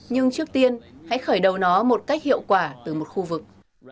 nhưng trước tiên hãy khởi đầu nó một cách hiệu quả từ một khu vực